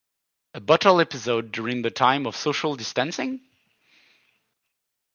A bottle episode during the time of social distancing?